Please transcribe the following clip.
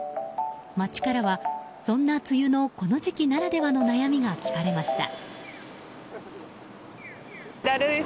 街からは、そんな梅雨のこの時期ならではの悩みが聞かれました。